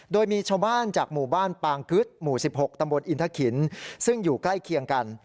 โดยมีชาวบ้านจากหมู่บ้านปางคึดหมู่๑๖ตำบลอินทะขินซึ่งอยู่ใกล้เคียงกัน